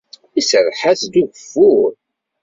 Iserreḥ-as-d ugeffur.